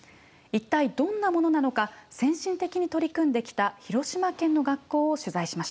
一体どんなものなのか先進的に取り組んできた広島県の学校を取材しました。